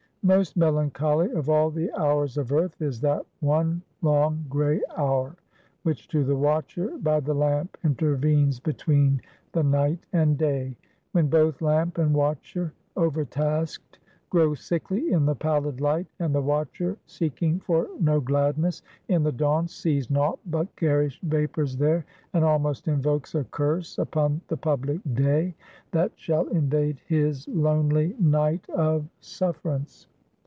Most melancholy of all the hours of earth, is that one long, gray hour, which to the watcher by the lamp intervenes between the night and day; when both lamp and watcher, over tasked, grow sickly in the pallid light; and the watcher, seeking for no gladness in the dawn, sees naught but garish vapors there; and almost invokes a curse upon the public day, that shall invade his lonely night of sufferance.